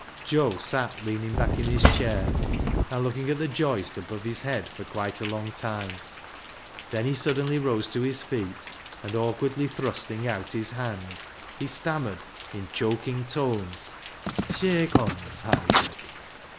Joe sat leaning back in his chair, and looking at the joists above his head for quite a long time. Then he suddenly rose to his feet, and awkwardly thrusting out his hand, he stammered in choking tones —" Shak' hons, Isaac